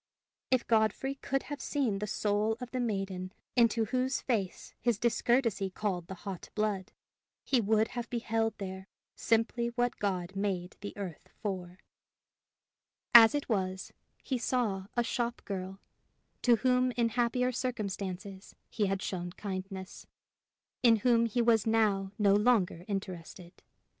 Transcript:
If Godfrey could have seen the soul of the maiden into whose face his discourtesy called the hot blood, he would have beheld there simply what God made the earth for; as it was, he saw a shop girl, to whom in happier circumstances he had shown kindness, in whom he was now no longer interested.